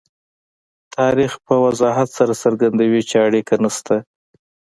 تاریخ په وضاحت سره څرګندوي چې اړیکه نشته.